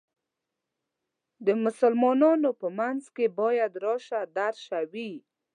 د مسلمانانو په منځ کې باید راشه درشه وي.